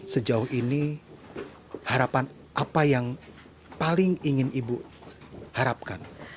sejauh ini harapan apa yang paling ingin ibu harapkan